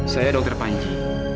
saya dokter panji